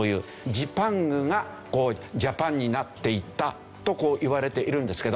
ジパングがジャパンになっていったとこういわれているんですけど。